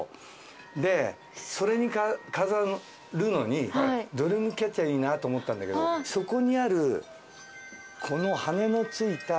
でそれに飾るのにドリームキャッチャーいいなと思ったんだけどそこにあるこの羽根の付いた。